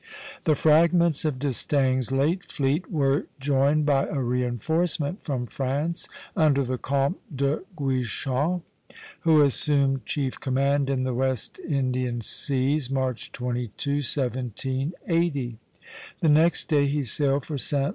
The fragments of D'Estaing's late fleet were joined by a reinforcement from France under the Comte de Guichen, who assumed chief command in the West Indian seas March 22, 1780. The next day he sailed for Sta.